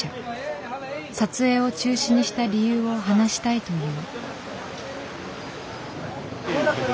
撮影を中止にした理由を話したいという。